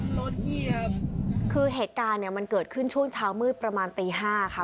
คือเหตุการณ์เนี่ยมันเกิดขึ้นช่วงเช้ามืดประมาณตีห้าค่ะ